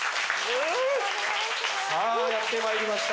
さあやってまいりました。